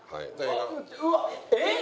えっ！？